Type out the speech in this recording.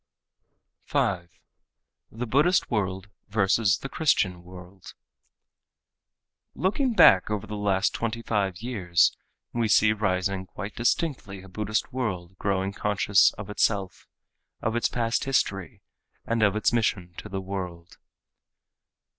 5. The Buddhist World Versus the Christian World Looking back over the last twenty five years we see rising quite distinctly a Buddhist world growing conscious of itself, of its past history and of its mission to the world.